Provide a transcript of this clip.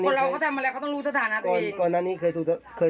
นี่เนี่ย